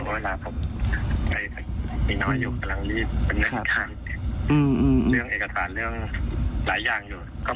รู้เวลาผมตรงนั้นผมอยู่กำลังรีบหนึ่งขาดเอกสารเรื่องหลายอย่างอยู่